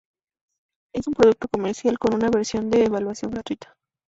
Es un producto comercial con una versión de evaluación gratuita.